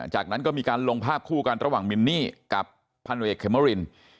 จากนั้นก็มีการลงภาพคู่กันระหว่างมินนี่กับพันเอกเขมริน